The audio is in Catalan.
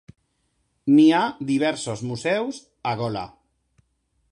Hi ha diversos museus a Wola.